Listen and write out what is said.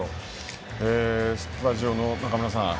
スタジオの中村さん